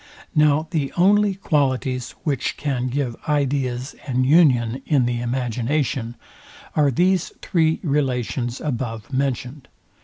Now the only qualities, which can give ideas an union in the imagination, are these three relations above mentioned.